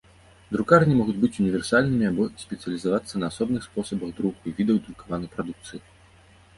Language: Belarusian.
Друкарні могуць быць універсальнымі або спецыялізавацца на асобных спосабах друку і відах друкаванай прадукцыі.